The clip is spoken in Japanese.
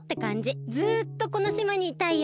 ずっとこのしまにいたいよ。